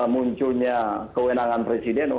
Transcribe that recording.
munculnya kewenangan presidennya